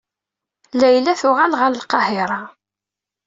Layla tuɣal ɣer Lqahiṛa.